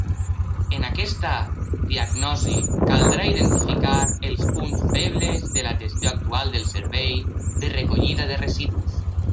En aquesta diagnosi caldrà identificar els punts febles de la gestió actual del servei de recollida de residus.